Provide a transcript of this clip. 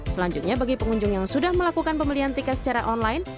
selanjutnya bagi pengunjung yang sudah melakukan pembelian tiket secara online